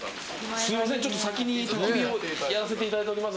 すみません、先にやらせていただいております。